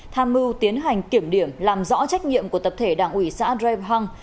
tham mưu tiến hành kiểm điểm làm rõ trách nhiệm của tập thể đảng ủy xã drei bờ hăng